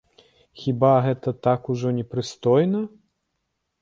Хіба гэта так ужо непрыстойна?